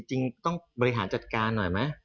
จริงต้องบริหารจัดการหน่อยไหม